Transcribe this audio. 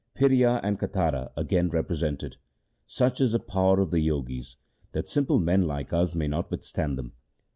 Phiria and Katara again repre sented :' Such is the power of the Jogis, that simple men like us may not withstand them.